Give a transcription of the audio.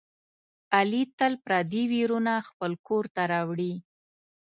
علي تل پردي ویرونه خپل کورته راوړي.